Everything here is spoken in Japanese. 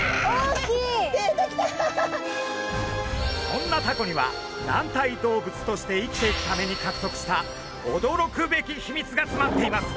そんなタコには軟体動物として生きていくためにかくとくした驚くべき秘密がつまっています。